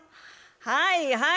はいはい。